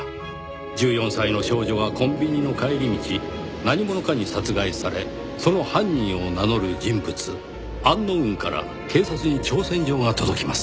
１４歳の少女がコンビニの帰り道何者かに殺害されその犯人を名乗る人物アンノウンから警察に挑戦状が届きます。